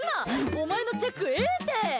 お前のチェックええって！